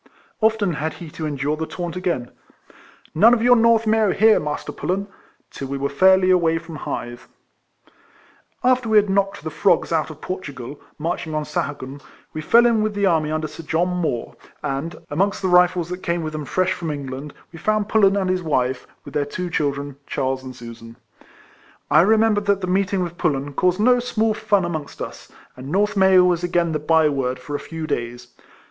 Often had he to endure the taunt again, ''''None of your North Mayho here, Master Pullen T^ till we were fairly away from Hythe. After we had knocked the frogs out of Portugal, marching on Sahagun, we fell in with the army under Sir John Moore, and, amongst the Rifles that came with them fresh from England, we found Pullen and his wife, with their two children, Charles RIFLEMAN HARRIS. 139 and Susan. I remember that the meetmg with Fallen caused no small fun amongst us; and North May/io was again the bye word for a few days.